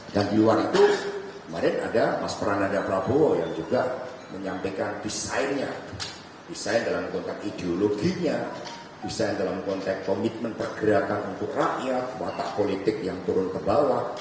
dan di luar itu kemarin ada mas prananda prabowo yang juga menyampaikan desainnya desain dalam konteks ideologinya desain dalam konteks komitmen pergerakan untuk rakyat watak politik yang turun ke bawah